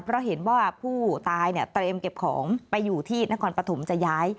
เพราะเห็นว่าผู้ตายเนี่ยเตรียมเก็บของไปอยู่ที่นครปฐมจะย้าย